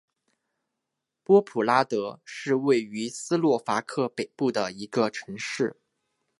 波普拉德是位于斯洛伐克北部的一个城市。